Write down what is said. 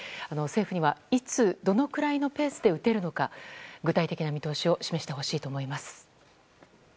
政府にはいつ、どのくらいのペースで打てるのか具体的な見通しを示してほしいと思います。